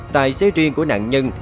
tài xế riêng của nạn nhân